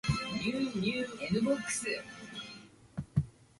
千葉県成田市